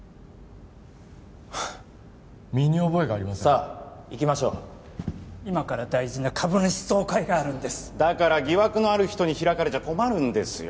ハッ身に覚えがありませんさあ行きましょう今から大事な株主総会があるんですだから疑惑のある人に開かれちゃ困るんですよ